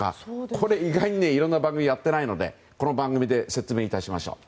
これ意外に他の番組ではやっていないのでこの番組で説明しましょう。